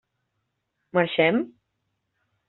Marxem?